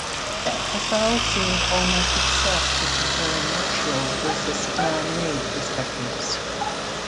Casal seemed almost obsessed with comparing natural versus "man-made" perspectives.